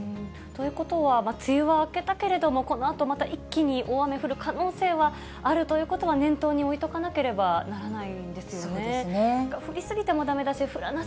ということは、梅雨は明けたけれども、このあとまた一気に大雨降る可能性はあるということは、念頭に置いておかなければならないんですよね。